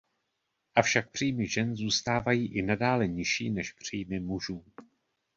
Avšak příjmy žen zůstávají i nadále nižší než příjmy mužů.